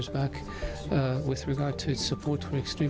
dengan mengetahui sokongan terhadap negara ekstrem